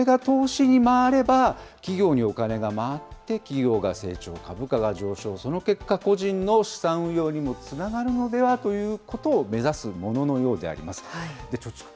それが投資に回れば、企業にお金が回って、企業が成長、株価が上昇、その結果、個人の資産運用にもつながるのではということを目指すもののようであります。